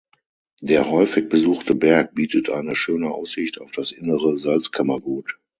Der häufig besuchte Berg bietet eine schöne Aussicht auf das Innere Salzkammergut.